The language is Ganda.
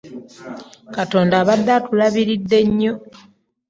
Katonda abadde atulabiridde nnyo.